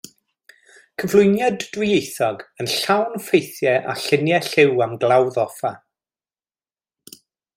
Cyflwyniad dwyieithog yn llawn ffeithiau a lluniau lliw am Glawdd Offa.